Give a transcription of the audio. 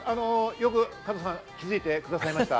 よく加藤さん、気づいてくださいました。